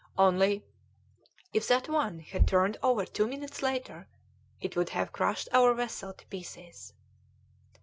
Only, if that one had turned over two minutes later, it would have crushed our vessel to pieces."